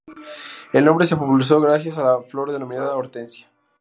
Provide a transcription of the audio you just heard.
El nombre se popularizó gracias a la flor denominada hortensia.